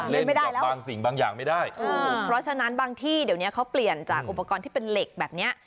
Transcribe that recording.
บางสิ่งบางอย่างไม่ได้ถูกเพราะฉะนั้นบางที่เดี๋ยวเนี้ยเขาเปลี่ยนจากอุปกรณ์ที่เป็นเหล็กแบบเนี้ย